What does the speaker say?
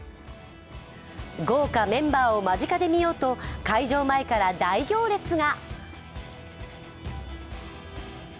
豪華メンバーを間近で見ようと開場前から大行列が。